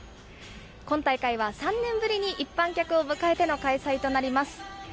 今大会は３年ぶりに一般客を迎えての開催となります。